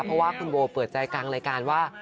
เพราะว่าคุณโบเปิดใจกลางรายการว่า